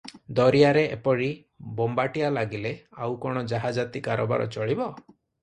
ଦରିଆରେ ଏପରି ବୋମ୍ବାଟିଆ ଲାଗିଲେ ଆଉ କଣ ଜାହାଜାତି କାରବାର ଚଳିବ?